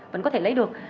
vẫn có thể lấy được